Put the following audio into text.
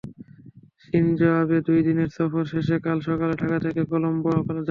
Shinzo Abe দুই দিনের সফর শেষে কাল সকালে ঢাকা থেকে কলম্বো যাবেন।